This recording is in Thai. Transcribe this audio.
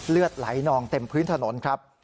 เลือดไหลนองเต็มพื้นถนนครับ